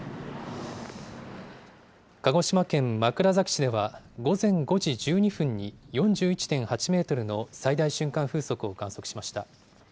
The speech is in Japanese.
鹿児島県枕崎市では、午前５時１２分に４１．８メートルの最大瞬間風速を観測しました。